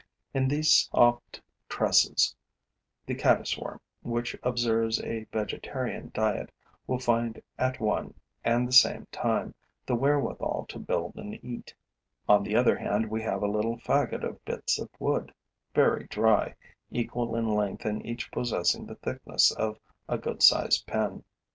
In these soft tresses, the caddis worm, which observes a vegetarian diet, will find at one and the same time the wherewithal to build and eat. On the other hand, we have a little faggot of bits of wood, very dry, equal in length and each possessing the thickness of a good sized pin.